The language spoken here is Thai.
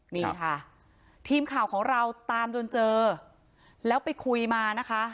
นี่ค่ะทีมข่าวของเราตามจนเจอแล้วไปคุยมานะคะ